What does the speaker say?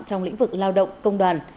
trong lĩnh vực lao động công đoàn